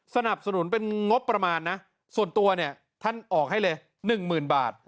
สนับสนุนเป็นงบประมาณนะส่วนตัวเนี่ยท่านออกให้เลย๑๐๐๐บาท